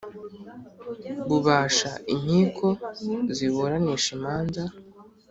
Bubasha inkiko ziburanisha imanza